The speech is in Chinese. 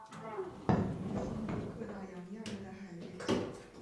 本鱼分布各大洋亚热带海域。